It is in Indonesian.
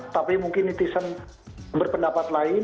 tapi mungkin netizen berpendapat lain